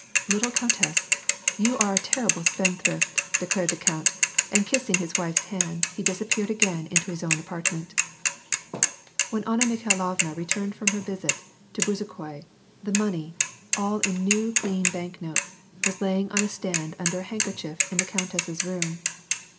" Little countess, you are a terrible spendthrift," declared the count, and kissing his wife's hand he disappeared again into his own apartment. When Anna Mikhailovna returned from her visit to Bezu khoi, the money, all in new clean bank notes, was lying on a stand under a handkerchief in the countess's room.